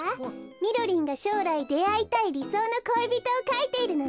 みろりんがしょうらいであいたいりそうの恋人をかいているのね。